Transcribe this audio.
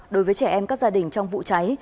đối với trẻ em các gia đình trong vụ cháy